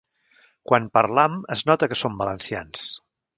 Quan parlam, es nota que som valencians.